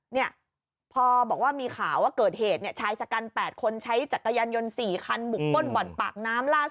เนี่ยพอบอกว่ามีข่าวว่าเกิดเหตุเนี่ยชายจักรการ๘คนใช้จักรยันยนต์๔คัน